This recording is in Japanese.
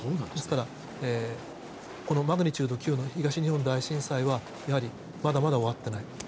ですから、マグニチュード９の東日本大震災はやはりまだまだ終わってない。